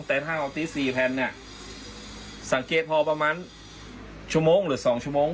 แต่ถ้าเอาติ๊กซีแพนสังเกตพอประมาณชั่วโมงหรือ๒ชั่วโมง